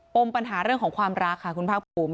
มปัญหาเรื่องของความรักค่ะคุณภาคภูมิ